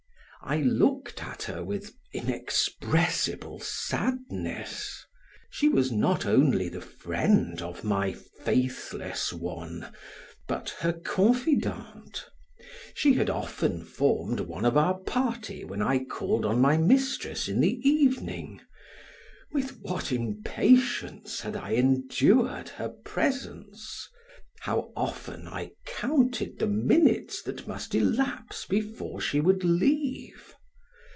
I looked at her with inexpressible sadness; she was not only the friend of my faithless one but her confidante. She had often formed one of our party when I called on my mistress in the evening! With what impatience had I endured her presence. How often I counted the minutes that must elapse before she would leave!